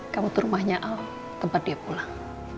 kamu tuh rumahnya tempat dia pulang